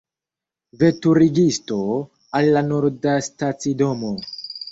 Veturigisto, al la Nordastacidomo!